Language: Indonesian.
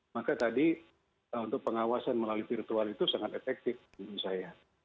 maka tadi untuk pengawasan melalui virtual itu sangat efektif menurut saya